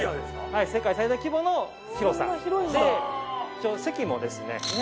はい世界最大規模の広さで席もですね